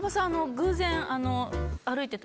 「偶然歩いてた」？